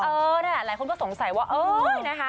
เออนั่นแหละหลายคนก็สงสัยว่าเอ้ยนะคะ